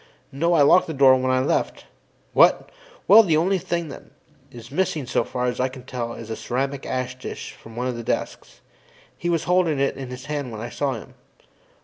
No, I locked the door when I left. What? Well, the only thing that's missing as far as I can tell is a ceramic ash tray from one of the desks; he was holding that in his hand when I saw him.